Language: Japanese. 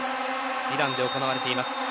イランで行われています。